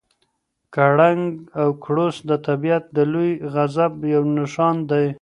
کړنګ او کړوس د طبیعت د لوی غضب یو نښان دی.